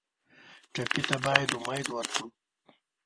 ټپي ته باید امید ورکړو.